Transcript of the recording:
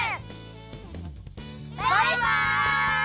バイバイ！